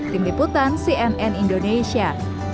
tim liputan cnn indonesia